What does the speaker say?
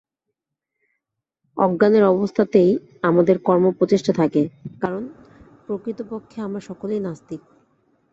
অজ্ঞানের অবস্থাতেই আমাদের কর্ম-প্রচেষ্টা থাকে, কারণ প্রকৃতপক্ষে আমরা সকলেই নাস্তিক।